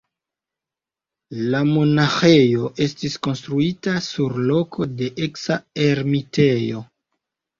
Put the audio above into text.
La monaĥejo estis konstruita sur loko de eksa ermitejo.